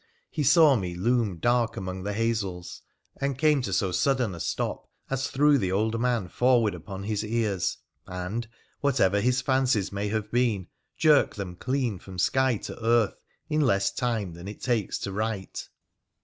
He saw rue loom dark among the hazels, and came to so sudden a stop as threw the old man forward upon his ears, and, whatever his fancies may have been, jerked them clean from sky to earth in less time than it takes to write.